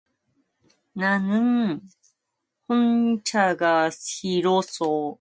나는 홍차가 싫어